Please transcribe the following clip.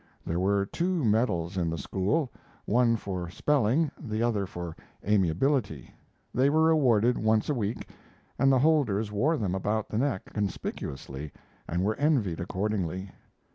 There were two medals in the school, one for spelling, the other for amiability. They were awarded once a week, and the holders wore them about the neck conspicuously, and were envied accordingly.